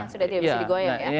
sudah tidak bisa digoyang ya